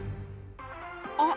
あっ！